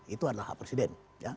itu adalah hak presiden